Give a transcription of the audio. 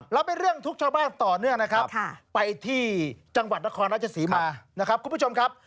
แล้วเป็นเรื่องทุกชาวบ้านต่อเนื่องนะครับไปที่จังหวัดนครราชศรีมานะครับคุณผู้ชมครับ